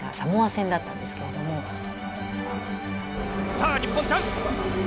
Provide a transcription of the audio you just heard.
さあ日本チャンス。